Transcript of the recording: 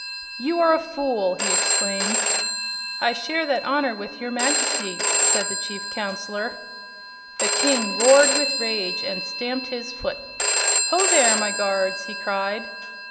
"You are a fool!" he exclaimed. "I share that honor with your Majesty," said the Chief Counselor. The King roared with rage and stamped his foot. "Ho, there, my guards!" he cried.